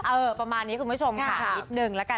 เออประมาณนี้คุณผู้ชมค่ะ